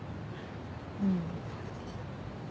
うん。